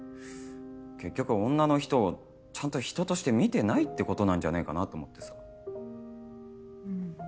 結局女の人をちゃんと人として見てないってことなんじゃねえかなと思ってさ。